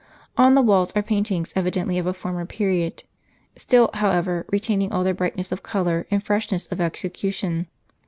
On the walls are paintings evidently of a former period, still, however, retaining all their brightness of color and fresh ness of execution.